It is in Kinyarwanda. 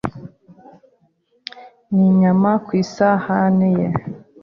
n’inyama ku isahane ye